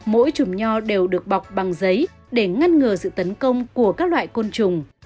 mỗi chùm nho đều được bọc bằng giấy để ngăn ngừa sự tấn công của các loại côn trùng